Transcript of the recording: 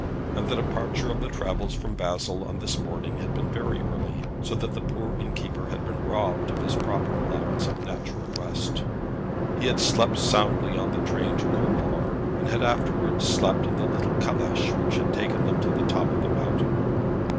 And the departure of the travellers from Basle on this morning had been very early, so that the poor innkeeper had been robbed of his proper allowance of natural rest. He had slept soundly in the train to Colmar, and had afterwards slept in the little caleche which had taken them to the top of the mountain.